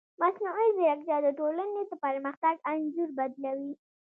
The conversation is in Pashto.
مصنوعي ځیرکتیا د ټولنې د پرمختګ انځور بدلوي.